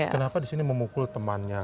kenapa disini memukul temannya